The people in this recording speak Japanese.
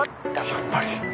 やっぱり。